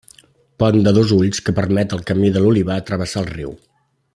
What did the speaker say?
Pont de dos ulls que permet el camí de l'Olivar travessar el riu.